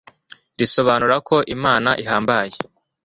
risobanura ko imana ihambaye